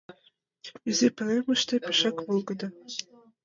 Изи пӧлемыште пешак волгыдо...